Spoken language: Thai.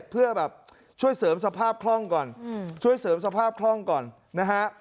เพื่อแบบช่วยเสริมสภาพคล่องก่อนช่วยเสริมสภาพคล่องก่อนนะฮะ